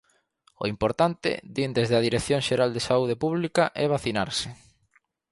O importante, din desde a Dirección Xeral de Saúde Pública, é vacinarse.